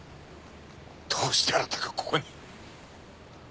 どうしてあなたがここに？